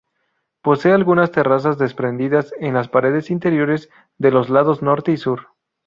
Posee algunas terrazas desprendidas en las paredes interiores de los lados norte y sur.